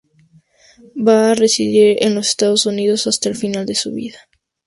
Va a residir en los Estados Unidos hasta el final de su vida.